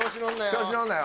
調子乗るなよ。